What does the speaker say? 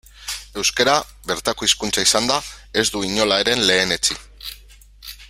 Euskara, bertako hizkuntza izanda, ez du inola ere lehenetsi.